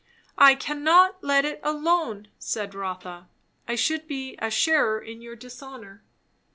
"I cannot let it alone," said Rotha. "I should be a sharer in your dishonour."